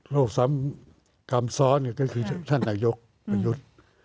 ซ้ำกรรมซ้อนก็คือท่านนายกประยุทธ์